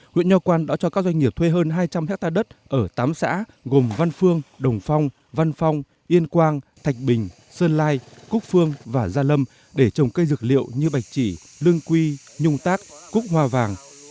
huyện nho quan đã cho các doanh nghiệp thuê hơn hai trăm linh hectare đất ở tám xã gồm văn phương đồng phong văn phong yên quang thạch bình sơn lai cúc phương và gia lâm để trồng cây dược liệu như bạch chỉ lương quy nhung tác cúc hoa vàng